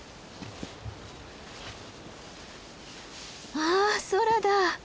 わあ空だ。